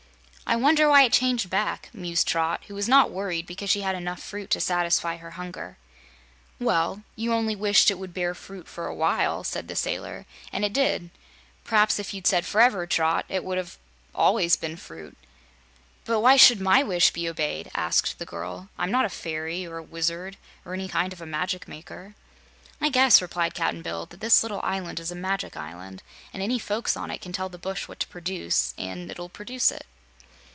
"I wonder why it changed back," mused Trot, who was not worried because she had enough fruit to satisfy her hunger. "Well, you only wished it would bear fruit 'for a while,'" said the sailor, "and it did. P'raps if you'd said 'forever,' Trot, it would have always been fruit." "But why should MY wish be obeyed?" asked the girl. "I'm not a fairy or a wizard or any kind of a magic maker." "I guess," replied Cap'n Bill, "that this little island is a magic island, and any folks on it can tell the bush what to produce, an' it'll produce it."